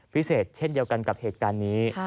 พิเศษเช่นเดียวกันกับเหตุการณ์นี้